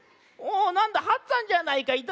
おおなんだ八っつぁんじゃないか。